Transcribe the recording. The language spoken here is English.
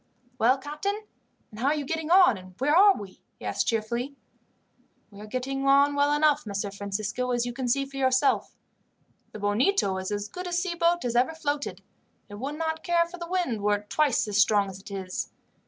"Well, captain, and how are you getting on, and where are we?" he asked, cheerfully. "We are getting on well enough, Messer Francisco, as you can see for yourself. The Bonito is as good a sea boat as ever floated, and would not care for the wind were it twice as strong as it is.